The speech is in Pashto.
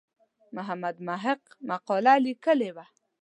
محمد محق مقاله لیکلې وه.